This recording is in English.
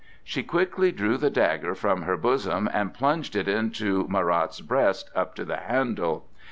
She quickly drew the dagger from her bosom and plunged it into Marat's breast up to the handle.